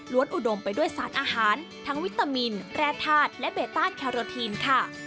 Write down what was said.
อุดมไปด้วยสารอาหารทั้งวิตามินแร่ธาตุและเบต้าแคโรทีนค่ะ